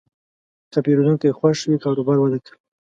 که پیرودونکی خوښ وي، کاروبار وده کوي.